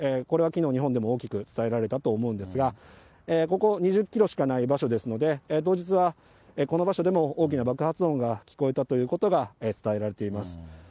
これはきのう、日本でも大きく伝えられたと思うんですが、ここ２０キロしかない場所ですので、当日はこの場所でも大きな爆発音が聞こえたということが伝えられています。